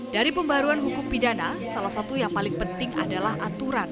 dari pembaruan hukum pidana salah satu yang paling penting adalah aturan